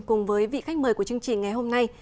cùng với vị khách mời của chương trình ngày hôm nay